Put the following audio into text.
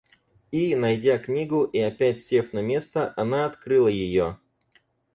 И, найдя книгу и опять сев на место, она открыла ее.